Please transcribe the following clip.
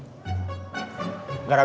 saya sudah bisa mencari kerjaan